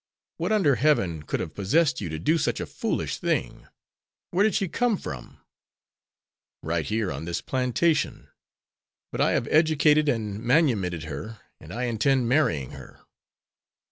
"What under heaven could have possessed you to do such a foolish thing? Where did she come from." "Right here, on this plantation. But I have educated and manumitted her, and I intend marrying her."